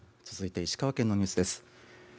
続いて石川県のニュースです。